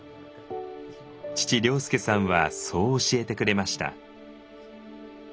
父亮祐さんはそう教えてくれました。